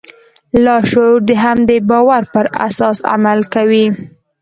لاشعور د همدې باور پر اساس عمل کوي.